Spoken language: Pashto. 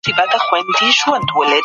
هڅه کول د بريا لامل دی.